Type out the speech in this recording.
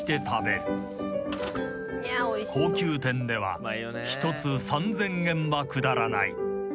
［高級店では１つ３，０００円は下らない］